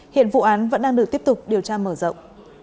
hiện vụ án vẫn đang được tiếp tục điều tra mở rộng